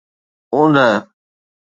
اوندهه